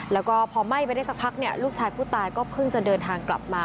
แล้วก็พอไหม้ไปได้สักพักลูกชายผู้ตายก็เพิ่งจะเดินทางกลับมา